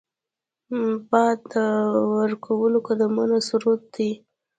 باد د ورکو قدمونو سرود دی